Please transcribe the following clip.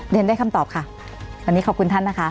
เรียนได้คำตอบค่ะวันนี้ขอบคุณท่านนะคะ